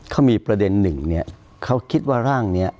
เขามีประเด็นหนึ่งเนี่ยเขาคิดว่าร่างนี้